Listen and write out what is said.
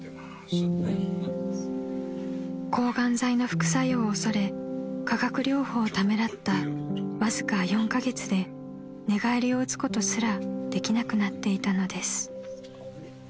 ［抗がん剤の副作用を恐れ化学療法をためらったわずか４カ月で寝返りを打つことすらできなくなっていたのです］